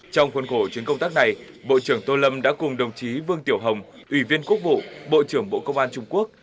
trong khuôn khổ chuyến công tác này bộ trưởng tô lâm đã cùng đồng chí vương tiểu hồng ủy viên quốc vụ bộ trưởng bộ công an trung quốc